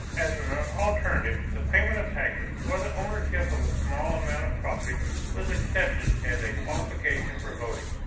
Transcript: As an alternative, the payment of taxes or the ownership of a small amount of property was accepted as a qualification for voting.